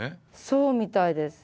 そうみたいです。